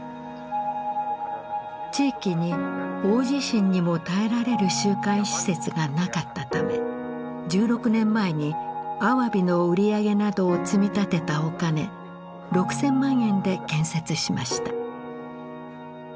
地域に大地震にも耐えられる集会施設がなかったため１６年前にアワビの売り上げなどを積み立てたお金６，０００万円で建設しました。